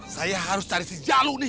saya harus cari si jalur nih